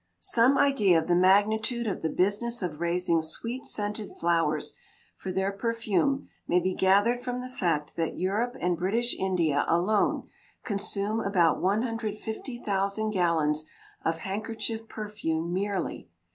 = Some idea of the magnitude of the business of raising sweet scented flowers for their perfume may be gathered from the fact that Europe and British India alone consume about 150,000 gallons of handkerchief perfume yearly.